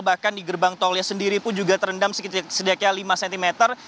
satu ini juga cukup dekat dengan kali kamal satu ini juga cukup dekat dengan kali kamal